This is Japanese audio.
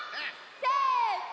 せの。